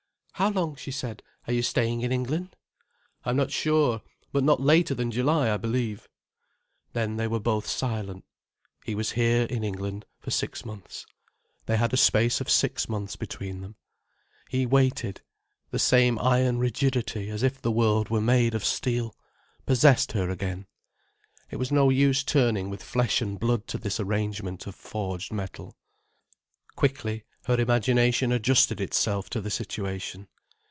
"How long," she said, "are you staying in England?" "I am not sure—but not later than July, I believe." Then they were both silent. He was here, in England, for six months. They had a space of six months between them. He waited. The same iron rigidity, as if the world were made of steel, possessed her again. It was no use turning with flesh and blood to this arrangement of forged metal. Quickly, her imagination adjusted itself to the situation.